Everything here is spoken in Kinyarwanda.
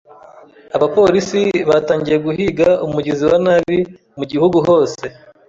Abapolisi batangiye guhiga umugizi wa nabi mu gihugu hose.